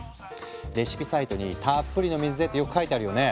レシピサイトに「たっぷりの水で」ってよく書いてあるよね。